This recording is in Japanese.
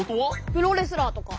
プロレスラーとか。